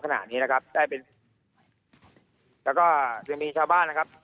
ขณะนี้นะครับได้เป็นแล้วก็ยังมีชาวบ้านนะครับ